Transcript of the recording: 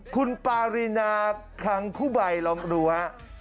คุณปารีนาคังคุใบลองดูฮะ